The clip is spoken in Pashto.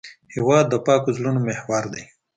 هېواد د پاکو زړونو محور دی.